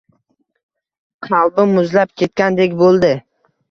qalbim muzlab ketgandek bo‘ldi